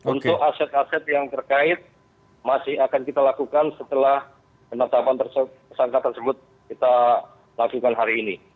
untuk aset aset yang terkait masih akan kita lakukan setelah penetapan tersangka tersebut kita lakukan hari ini